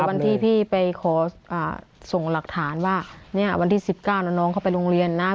วันที่พี่ไปขอส่งหลักฐานว่าเนี่ยวันที่๑๙น้องเขาไปโรงเรียนนะ